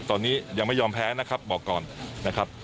ตอนนี้ยังไม่ยอมแพ้นะครับบอกก่อนนะครับ